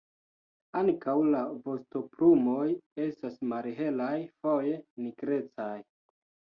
Ankaŭ la vostoplumoj estas malhelaj, foje nigrecaj.